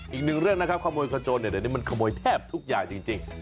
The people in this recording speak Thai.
อีกหนึ่งเรื่องนะครับขโมยขจนเดี๋ยวนี้มันขโมยแทบทุกอย่างจริง